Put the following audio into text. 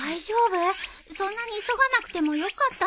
そんなに急がなくてもよかったのに。